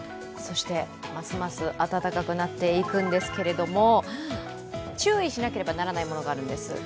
ますます暖かくなっていくんですけれども、注意しなければならないものがあるんです。